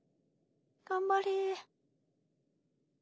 頑張れ。